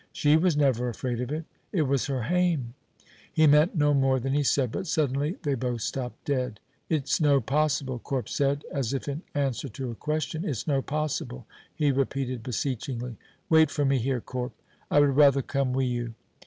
"She was never afraid of it." "It was her hame." He meant no more than he said, but suddenly they both stopped dead. "It's no possible," Corp said, as if in answer to a question. "It's no possible," he repeated beseechingly. "Wait for me here, Corp." "I would rather come wi' you."